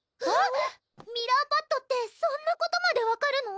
ミラーパッドってそんなことまで分かるの？